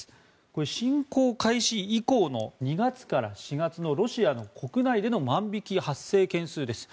これ、侵攻開始以降の２月から４月のロシア国内での万引き発生件数です。